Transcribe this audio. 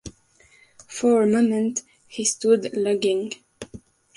For a moment he stood lugging.